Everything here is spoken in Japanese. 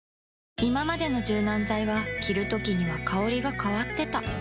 いままでの柔軟剤は着るときには香りが変わってた